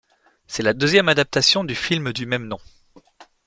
C'est la deuxième adaptation du film du même nom.